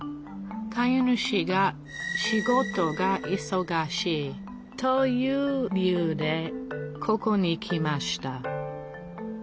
飼い主が仕事がいそがしいという理由でここに来ました